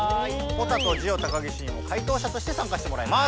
ポタとジオ高岸にもかいとうしゃとしてさんかしてもらいます。